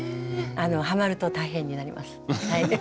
はまると大変になります。